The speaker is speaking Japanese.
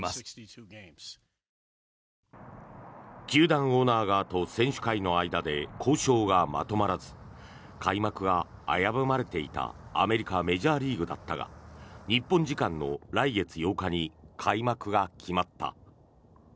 球団オーナー側と選手会の間で交渉がまとまらず開幕が危ぶまれていたアメリカ・メジャーリーグだったが日本時間の来月８日に開幕が決まった。